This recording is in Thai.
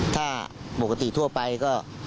ถ้าปกติทั่วไปก็